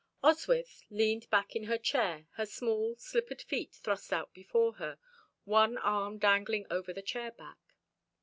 Oswyth leaned back in her chair, her small, slippered feet thrust out before her, one arm dangling over the chair back.